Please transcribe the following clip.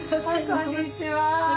こんにちは。